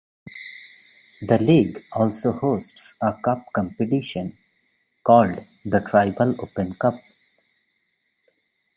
The league also hosts a cup competition called the Triball Open Cup.